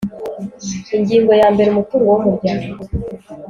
Ingingo ya mbere Umutungo w Umuryango